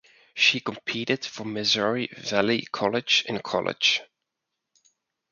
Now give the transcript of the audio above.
She competed for Missouri Valley College in college.